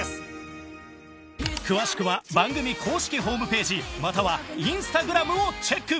詳しくは番組公式ホームページまたはインスタグラムをチェック！